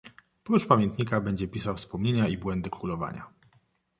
"Prócz pamiętnika będzie pisał wspomnienia i błędy królowania."